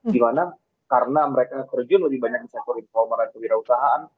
di mana karena mereka terjun lebih banyak di sektor informal dan kewirausahaan